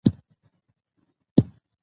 د خلکو درناوی کوم.